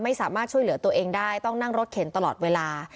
ไม่สามารถช่วยเหลือตัวเองได้ต้องนั่งรถเข็นตลอดเวลา